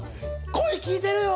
「声聞いてるよ！」